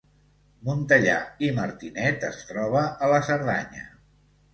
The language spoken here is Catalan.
Montellà i Martinet es troba a la Cerdanya